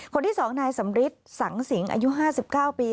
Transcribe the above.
คนที่สองนายสำริทธิ์สังศิงษ์อายุ๕๙ปี